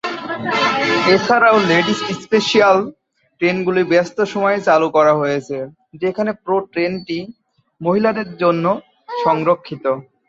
এছাড়াও, "ladies special" ট্রেনগুলি ব্যস্ত সময়ে চালু করা হয়েছে, যেখানে পুরো ট্রেনটি মহিলাদের জন্য সংরক্ষিত।